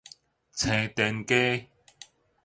青田街